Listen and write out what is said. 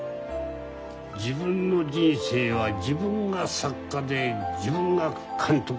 自分の人生は自分が作家で自分が監督だ。